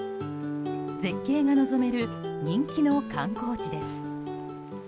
絶景が望める人気の観光地です。